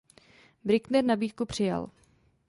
Brückner nabídku přijal.